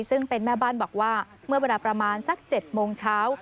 ซึ่งเป็นแม่บ้านบอกว่าเมื่อเวลาประมาณสัก๗โมงเช้า